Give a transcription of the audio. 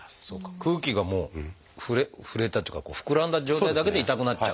空気がもう触れたっていうか膨らんだ状態だけで痛くなっちゃう。